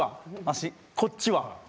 足こっちは。